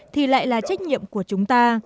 thì lại là trách nhiệm của chúng ta